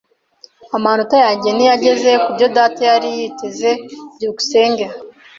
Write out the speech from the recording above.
Amanota yanjye ntiyageze kubyo data yari yiteze. byukusenge